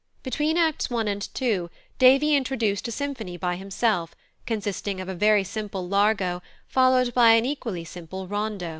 Between Acts i. and ii. Davy introduced a symphony by himself, consisting of a very simple Largo, followed by an equally simple Rondo.